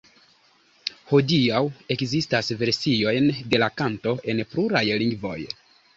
Hodiaŭ ekzistas versiojn de la kanto en pluraj lingvoj.